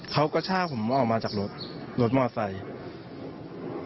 เขาก็ช่าผมออกมาจากรถรถมอเตอร์ไซค์